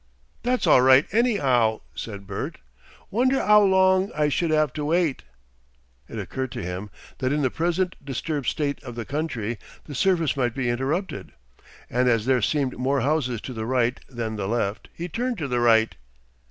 "That's all right, any'ow," said Bert. "Wonder 'ow long I should 'ave to wait?" It occurred to him that in the present disturbed state of the country the service might be interrupted, and as there seemed more houses to the right than the left he turned to the right.